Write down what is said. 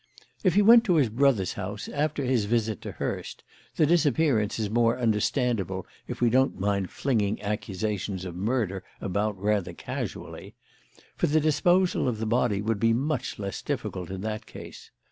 "If he went to his brother's house after his visit to Hurst, the disappearance is more understandable if we don't mind flinging accusations of murder about rather casually; for the disposal of the body would be much less difficult in that case.